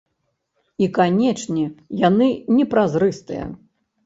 І, канечне, яны не празрыстыя.